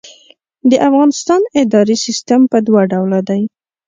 د افغانستان اداري سیسټم په دوه ډوله دی.